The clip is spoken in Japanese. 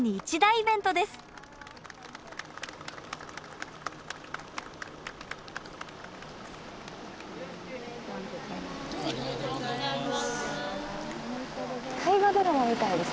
おめでとうございます。